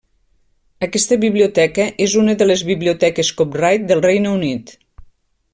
Aquesta biblioteca és una de les biblioteques copyright del Regne Unit.